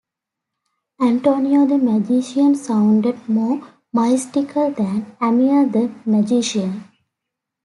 Antonio the magician sounded more mystical than Amir the magician.